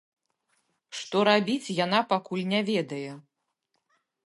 Што рабіць, яна пакуль не ведае.